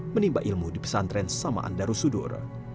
menimba ilmu di pesantren saman darussudur